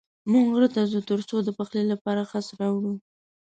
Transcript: موږ غره ته ځو تر څو د پخلي لپاره خس راوړو.